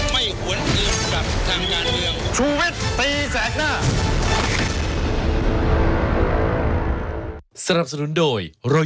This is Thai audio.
ไม่หวนอื่นกับทางงานเดียว